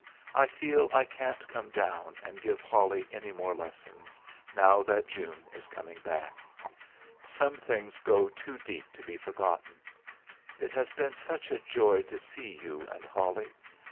I feel I can't come down and give Holly any more lessons, now that June is coming back. Some things go too deep to be forgotten. It has been such a joy to see you and Holly.